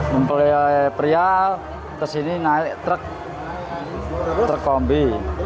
memperoleh pria ke sini naik truk kombi